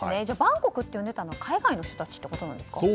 じゃあバンコクって呼んでいたのは海外の人たちってことなんですか。